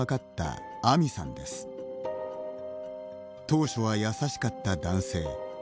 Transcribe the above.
当初は優しかった男性。